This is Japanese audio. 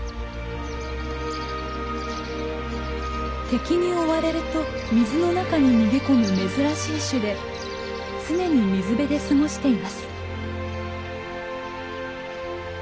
敵に追われると水の中に逃げ込む珍しい種で常に水辺で過ごしています。